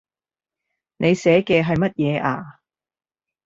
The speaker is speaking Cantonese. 你寫嘅係乜嘢呀